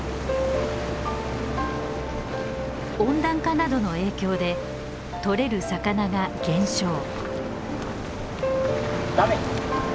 温暖化などの影響でとれる魚が減少。